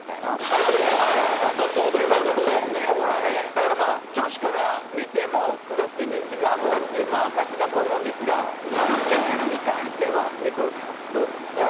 だから女子から見てもクラスで人気があったっていう証しだと思うんですがあのメールに関してはニコルさんどうですか？